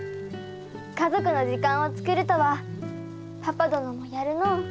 家族の時間を作るとはパパ殿もやるのう。